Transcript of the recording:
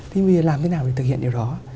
thế nhưng làm thế nào để thực hiện điều đó